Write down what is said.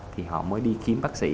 thì họ mới đi kiếm bác sĩ